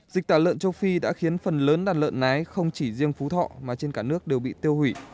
dịch tả lợn châu phi đã khiến phần lớn đàn lợn nái không chỉ riêng phú thọ mà trên cả nước đều bị tiêu hủy